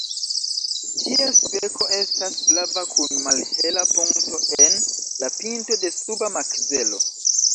Ties beko estas flava kun malhela punkto en la pinto de suba makzelo.